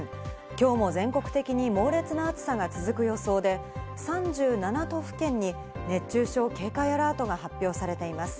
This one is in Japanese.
きょうも全国的に猛烈な暑さが続く予想で、３７都府県に熱中症警戒アラートが発表されています。